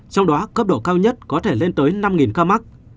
trong đó cấp độ cao nhất có thể lên tới năm ca mắc